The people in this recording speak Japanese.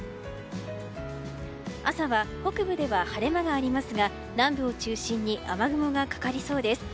朝は北部では晴れ間がありますが南部を中心に雨雲がかかりそうです。